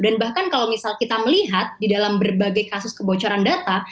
dan bahkan kalau misal kita melihat di dalam berbagai kasus kebocoran data